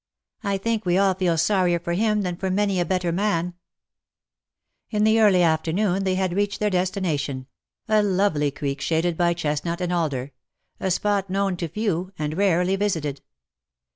I think we all feel sorrier for him than for many a better man/^ In the early afternoon they had reached their destination — a lovely creek shaded by chestnut and alder — a spot known to few, and rarely visited.